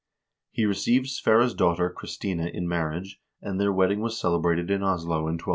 He received Sverre's daughter Chris tina in marriage, and their wedding was celebrated in Oslo in 1209.